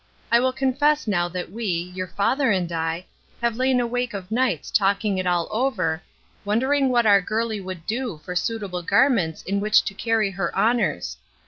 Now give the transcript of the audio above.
I will confess now that we, your father and I, have lain awake of nights talking it all over, wondering what our girlie would do for suitable HOUSEHOLD QUESTIONINGS 293 garments in which to carry her honors.